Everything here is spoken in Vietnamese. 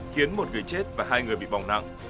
khiến một người chết và hai người bị bỏng nặng